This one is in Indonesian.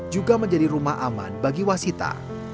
juga menjadi rumah aman bagi wasita